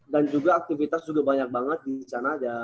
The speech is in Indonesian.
dan juga aktivitas juga banyak banget di sana ya